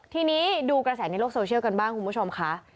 ทีนี้ดูกระแสในโลกโซเชียลกันบ้างคุณผู้ชมค่ะ